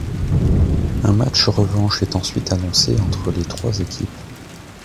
Un match revanche est ensuite annoncé entre les trois équipes.